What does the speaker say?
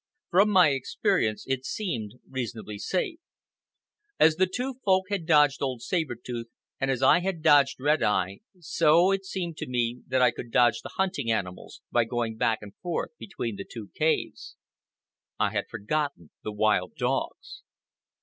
From my experience it seemed reasonably safe. As the two Folk had dodged old Saber Tooth, and as I had dodged Red Eye, so it seemed to me that I could dodge the hunting animals by going back and forth between the two caves. I had forgotten the wild dogs.